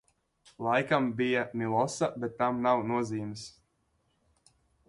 Laikam bija Milosa, bet tam nav nozīmes!